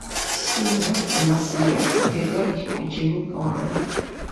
Ssuuna amasiro ge gali ku Kibuga Wamala.